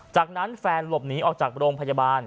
จากนั้นแฟนหลบหนีออกจากโรงพยาบาล